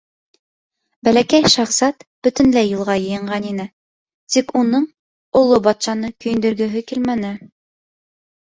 Бәләкәй шаһзат бөтөнләй юлға йыйынған ине, тик уның оло батшаны көйөндөргөһө килмәне.